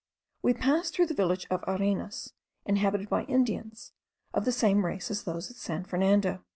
We passed through the village of Arenas, inhabited by Indians, of the same race as those at San Fernando.